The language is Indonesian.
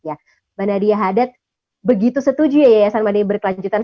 mbak nadia hadet begitu setuju yayasan madani berkelanjutan